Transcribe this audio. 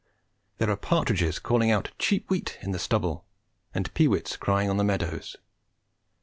There are partridges calling out "cheap wheat" in the stubble, and pewits crying on the meadows.